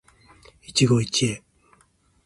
一期一会